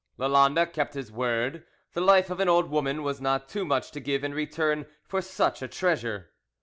Lalande kept his word: the life of an old woman was not too much to give in return for such a treasure.